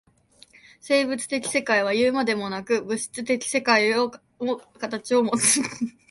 生物的世界はいうまでもなく、物質的世界も形をもつ。